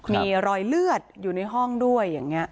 มีรอยเลือดอยู่ในห้องด้วยอย่างนี้